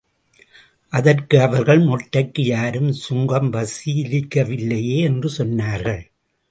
அதற்கு அவர்கள் மொட்டைக்கு யாரும் சுங்கம் வசூலிக்கவில்லையே? என்று சொன்னார்கள்.